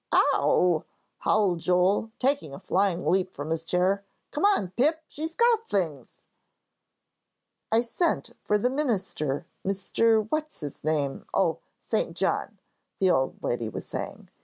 "Ow!" howled Joel, taking a flying leap from his chair. "Come on, Pip, she's got things!" "I sent for that minister, Mr. What's his name oh, St. John," the old lady was saying.